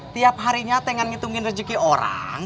tiap harinya tengah ngitungin rejeki orang